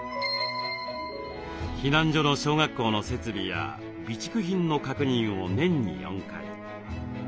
避難所の小学校の設備や備蓄品の確認を年に４回。